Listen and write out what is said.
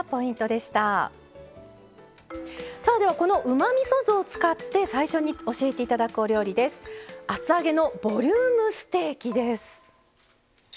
では、このうまみそ酢を使って最初に教えていただくお料理は厚揚げのボリュームステーキです。